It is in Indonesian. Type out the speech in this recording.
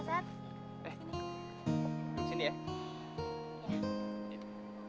kamu kok bawa aku kesini sih sat